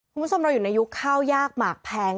คุณผู้ชมเราอยู่ในยุคข้าวยากหมากแพง